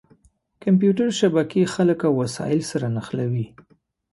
کمپیوټر شبکې خلک او وسایل سره نښلوي.